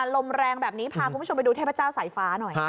ลมแรงแบบนี้พาคุณผู้ชมไปดูเทพเจ้าสายฟ้าหน่อย